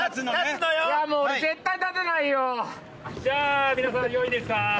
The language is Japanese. じゃあ皆さんよいですか？